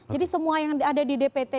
jadi semua yang ada di dpt